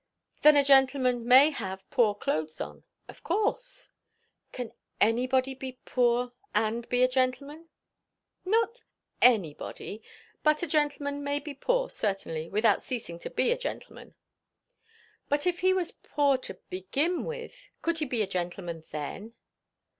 "Then a gentleman may have poor clothes on?" "Of course." "Can anybody be poor and be a gentleman?" "Not anybody, but a gentleman may be poor, certainly, without ceasing to be a gentleman." "But if he was poor to begin with could he be a gentleman then?"